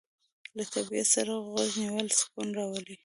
له طبیعت سره غوږ نیول سکون راولي.